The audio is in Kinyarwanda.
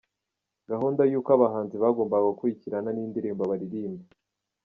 Gahunda y’uko abahanzi bagombaga gukurikirana n’indirimbo baririmba:.